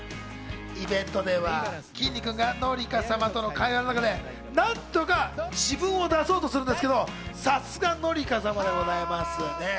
イベントではきんに君が紀香様との会話の中で何とか自分を出そうとするんですけど、さすが紀香様でございますよね。